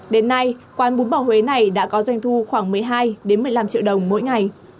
đến nay quán bún bò huế này đã có doanh thu khoảng một mươi hai một mươi năm triệu đồng mỗi ngày